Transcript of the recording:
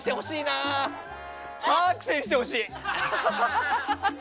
あー、苦戦してほしい！